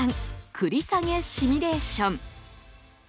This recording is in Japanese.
繰り下げシミュレーション。